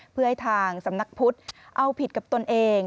เพื่อให้ทางสำนักพุทธเอาผิดกับตนเอง